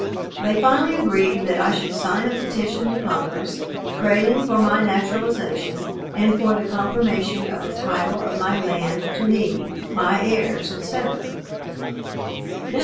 They finally agreed that I should sign a petition to Congress, praying for my naturalization, and for the confirmation of the title of my land to me, my heirs, &c. Mr.